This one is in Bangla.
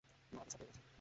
মা ভিসা পেয়ে গেছে।